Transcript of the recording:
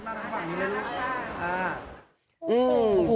มาทางหลังนี้เลยนะคะ